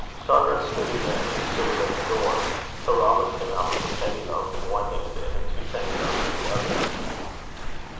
Shargar stood again and shivered at the door, till Robert came out with a penny loaf in one hand, and a twopenny loaf in the other.